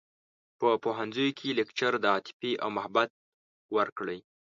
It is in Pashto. په پوهنځیوکې لکچر د عاطفې او محبت ورکړی